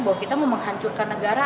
bahwa kita mau menghancurkan negara